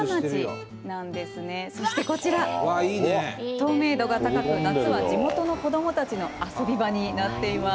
透明度が高く夏は地元の子どもたちの遊び場になっています。